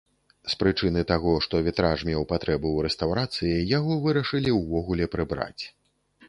З прычыны таго, што вітраж меў патрэбу ў рэстаўрацыі, яго вырашылі ўвогуле прыбраць.